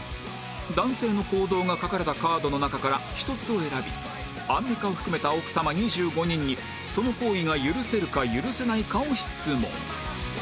男性の行動が書かれたカードの中から１つを選びアンミカを含めた奥さま２５人にその行為が許せるか許せないかを質問